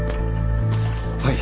はい。